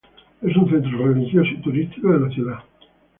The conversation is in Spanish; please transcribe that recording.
Es un centro religioso y turístico de la ciudad.